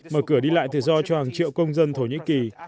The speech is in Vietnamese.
mở cửa đi lại tự do cho hàng triệu công dân thổ nhĩ kỳ